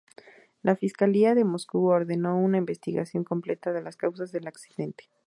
La Fiscalía de Moscú ordenó una investigación completa de las causas del accidente.